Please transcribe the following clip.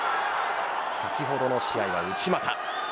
先ほどの試合は内股。